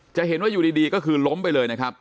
จะเห็นว่าอยู่ดีก็คือล้มไปเลยนะครับ